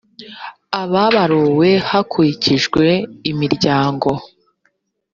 ababaruwe hakurikijwe imiryango